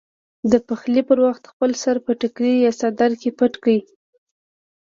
د پخلي پر وخت خپل سر په ټیکري یا څادر کې پټ کړئ.